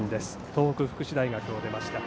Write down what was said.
東北福祉大学を出ました。